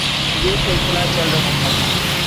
یہ سلسلہ چل رہا تھا۔